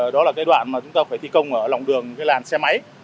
đó là cái đoạn mà chúng ta phải thi công ở lòng đường cái làn xe máy